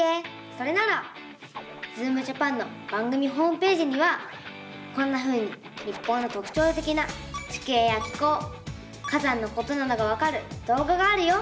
それなら「ズームジャパン」の番組ホームページにはこんなふうに日本のとくちょうてきな地形や気候火山のことなどがわかるどうががあるよ！